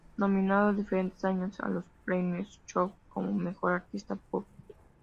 Nominado diferentes años a los Premios Shock como Mejor Artista Pop.